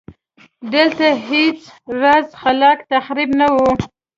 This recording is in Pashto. دلته هېڅ راز خلاق تخریب نه و.